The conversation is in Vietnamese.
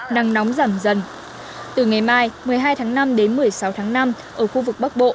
nắng nóng giảm dần từ ngày mai một mươi hai tháng năm đến một mươi sáu tháng năm ở khu vực bắc bộ